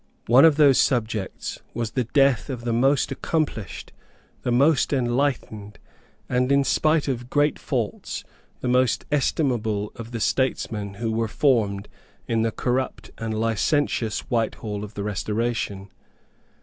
One of those subjects was the death of the most accomplished, the most enlightened, and, in spite of great faults, the most estimable of the statesmen who were formed in the corrupt and licentious Whitehall of the Restoration.